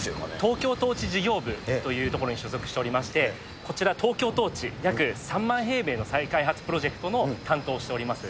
トーキョートーチ事業部というところに所属しておりまして、こちら、トーキョートーチ、約３万平米の再開発プロジェクトの担当をしております。